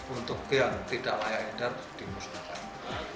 untuk yang tidak layak dan dimusnahkan